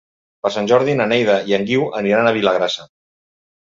Per Sant Jordi na Neida i en Guiu aniran a Vilagrassa.